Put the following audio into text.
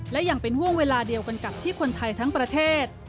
และยังเป็นห่วงเวลาเดียวกันกับที่คนไทยทั้งประเทศ